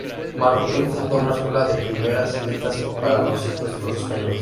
Marroquín fundó una escuela de primeras letras para los hijos de los españoles.